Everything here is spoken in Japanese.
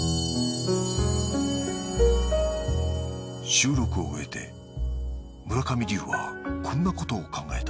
収録を終えて村上龍はこんなことを考えた